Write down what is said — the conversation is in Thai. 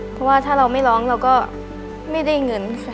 เพราะว่าถ้าเราไม่ร้องเราก็ไม่ได้เงินค่ะ